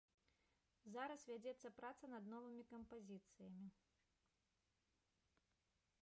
Зараз вядзецца праца над новымі кампазіцыямі.